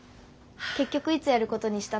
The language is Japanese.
結局いつやることにしたの？